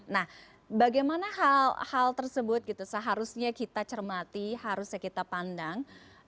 nah bagaimana hal hal tersebut gitu seharusnya kita cermati harusnya kita pandang